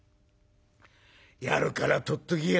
やるから取っとけ」。